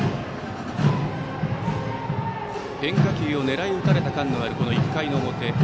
変化球を狙い打たれた感のある、１回の表。